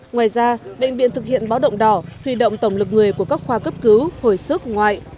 ngoài ra bệnh viện thực hiện báo động đỏ huy động tổng lực người của các khoa cấp cứu hồi sức ngoại